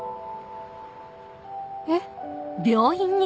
えっ。